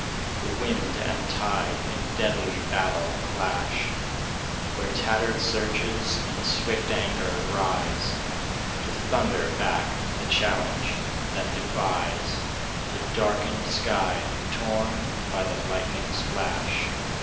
The wind and tide in deadly battle clash, Where tattered surges in swift anger rise To thunder back the challenge that de fies The darkened sky, torn by the lightning's flash.